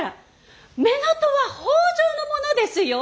乳母父は北条の者ですよ！